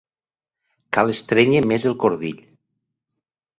Cal estrènyer més el cordill.